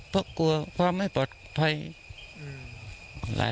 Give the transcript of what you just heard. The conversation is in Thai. เพราะกลัวความไม่ปลอดภัย